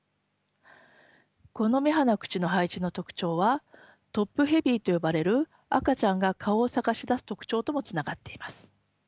この目鼻口の配置の特徴はトップヘビーと呼ばれる赤ちゃんが顔を探し出す特徴ともつながっています。